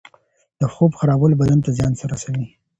د خوب خرابول بدن ته زیان رسوي.